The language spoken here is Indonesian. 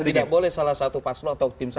tidak boleh salah satu paslo